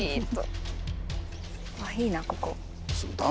あいいなここ。